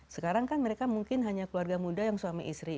sekarang kan mereka mungkin hanya keluarga muda yang suami istri